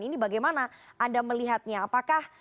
ini bagaimana anda melihatnya apakah